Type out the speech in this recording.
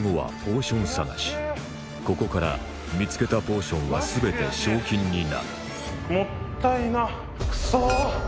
ここから見つけたポーションは全て賞金になるもったいなクソ。